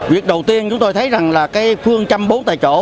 việc đầu tiên chúng tôi thấy là phương chăm bốn tại chỗ